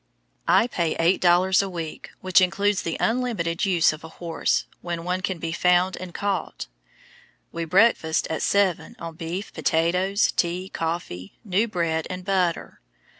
I pay eight dollars a week, which includes the unlimited use of a horse, when one can be found and caught. We breakfast at seven on beef, potatoes, tea, coffee, new bread, and butter.